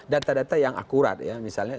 data data yang akurat ya misalnya